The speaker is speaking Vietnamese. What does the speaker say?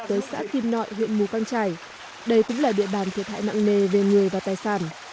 tới xã kim nội huyện mù căng trải đây cũng là địa bàn thiệt hại nặng nề về người và tài sản